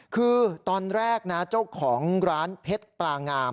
คือตอนแรกนะเจ้าของร้านเพชรปลางาม